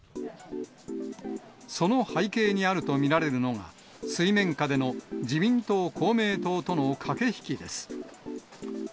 その背景にあると見られるのが、水面下での自民党、公明党との駆け引きです。